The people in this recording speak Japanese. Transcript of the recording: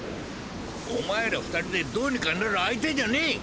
おまえら２人でどうにかなる相手じゃねえ！